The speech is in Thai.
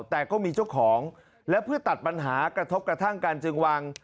แต่ก็มีเจ้าของและเพื่อตัดปัญหากระทบกระทั่งการจึงวาง